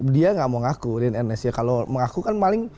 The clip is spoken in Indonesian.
dia gak mau ngaku rian ennes kalo ngaku kan paling